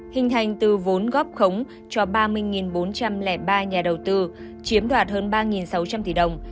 hình thành từ vốn góp khống cho ba mươi bốn trăm linh ba nhà đầu tư chiếm đoạt hơn ba sáu trăm linh tỷ đồng